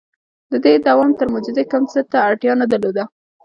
• د دې دوام تر معجزې کم څه ته اړتیا نه درلوده.